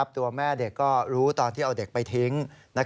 ตัวแม่เด็กก็รู้ตอนที่เอาเด็กไปทิ้ง